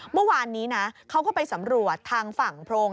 เมื่อวานนี้นะเขาก็ไปสำรวจทางฝั่งโพรง